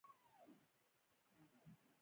که ګاونډي ته تاوان ورسېږي، ته هم غمژن شه